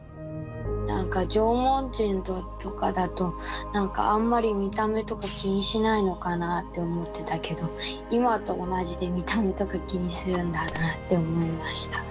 なんか縄文人とかだとなんかあんまり見た目とか気にしないのかなあって思ってたけど今と同じで見た目とか気にするんだなあって思いました。